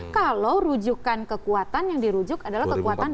kalau rujukan kekuatan yang dirujuk adalah kekuatan